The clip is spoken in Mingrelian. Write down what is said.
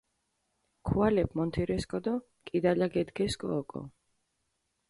ქუალეფი მონთირესკო დო კიდალა გედგესკო ოკო.